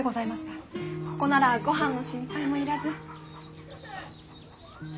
ここならごはんの心配もいらず。